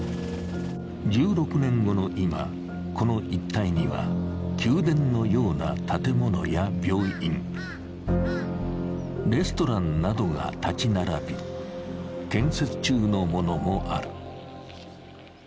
１６年後の今、この一帯には宮殿のような建物や病院レストランなどが建ち並び、建設中のものもある。